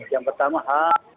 yang pertama h